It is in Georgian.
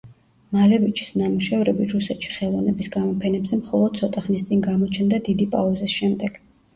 მალევიჩის ნამუშევრები რუსეთში ხელოვნების გამოფენებზე მხოლოდ ცოტა ხნის წინ გამოჩნდა დიდი პაუზის შემდეგ.